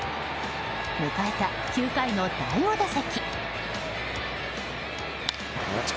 迎えた９回の第５打席。